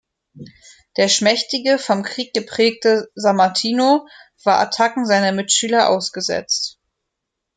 Der schmächtige, vom Krieg geprägte Sammartino war Attacken seiner Mitschüler ausgesetzt.